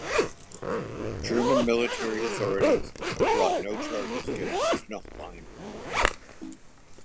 German military authorities brought no charges against Knochlein.